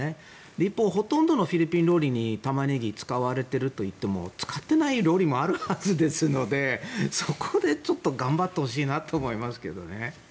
一方、ほとんどのフィリピン料理にタマネギが使われているといっても使われていない料理もあるはずなのでそこでちょっと頑張ってほしいなと思いますけどね。